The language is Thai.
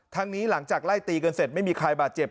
นี้หลังจากไล่ตีกันเสร็จไม่มีใครบาดเจ็บ